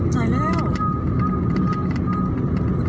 จ่ายแล้ว